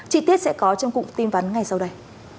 chi tiết sẽ có trong cụm tin vắn ngay sau đây